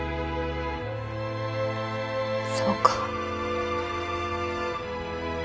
そうか。